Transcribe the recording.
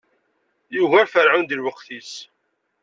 Yugar ferɛun di lweqt-is.